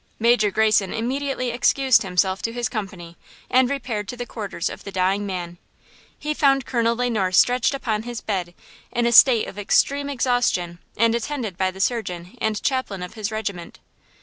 Major Greyson immediately excused himself to his company and repaired to the quarters of the dying man. He found Colonel Le Noir stretched upon his bed in a state of extreme exhaustion and attended by the surgeon and chaplain of his regiment.